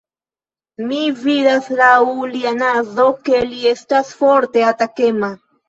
Mi vidas laŭ lia nazo, ke li estas forte atakema.